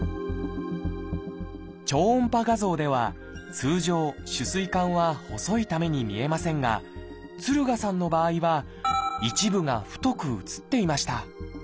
超音波画像では通常主膵管は細いために見えませんが敦賀さんの場合は一部が太く映っていました。